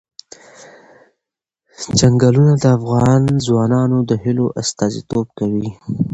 چنګلونه د افغان ځوانانو د هیلو استازیتوب کوي.